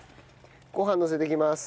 ご飯のせていきます。